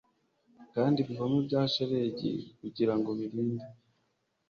kandi ibihome bya shelegi kugirango birinde